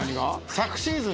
昨シーズン。